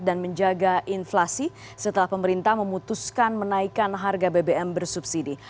dan menjaga inflasi setelah pemerintah memutuskan menaikkan harga bbm bersubsidi